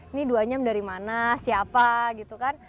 ini duanyam dari mana siapa gitu kan